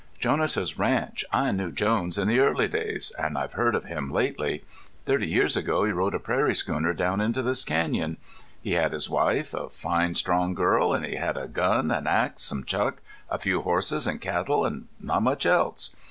"Jones' ranch! I knew Jones in the early days. And I've heard of him lately. Thirty years ago he rode a prairie schooner down into this canyon. He had his wife, a fine, strong girl, and he had a gun, an axe, some chuck, a few horses and cattle, and not much else.